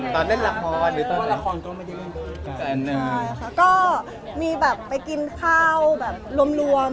ตอนเล่นก็ไม่ได้มีการคุยหรือว่าอะไรค่ะก็มีแบบไปกินข้าวแบบรวม